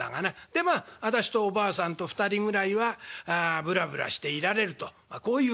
でまあ私とおばあさんと２人ぐらいはぶらぶらしていられるとこういう訳だ」。